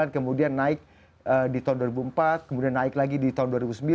kemudian naik di tahun dua ribu empat kemudian naik lagi di tahun dua ribu sembilan